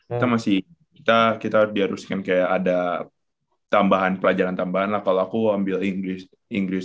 kita masih kita diharuskan kayak ada tambahan pelajaran tambahan lah kalau aku ambil inggris